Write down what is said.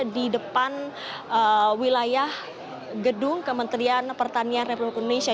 di depan wilayah gedung kementerian pertanian republik indonesia